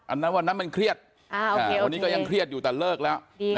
อันนั้นวันนั้นมันเครียดวันนี้ก็ยังเครียดอยู่แต่เลิกแล้ว